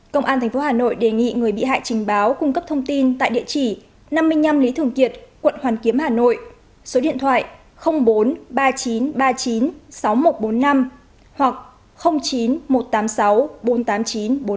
công an tp hà nội đề nghị người bị hại trình báo cung cấp thông tin tại địa chỉ năm mươi năm lý thường kiệt quận hoàn kiếm hà nội số điện thoại bốn trăm ba mươi chín ba mươi chín sáu nghìn một trăm bốn mươi năm hoặc chín một trăm tám mươi sáu bốn trăm tám mươi chín một trăm bốn mươi bảy